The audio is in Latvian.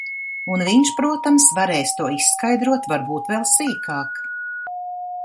Un viņš, protams, varēs to izskaidrot varbūt vēl sīkāk.